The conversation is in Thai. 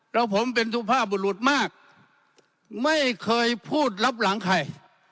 แล้วผมเป็นสุภาพบุรุษมากไม่เคยพูดรับหลังใคร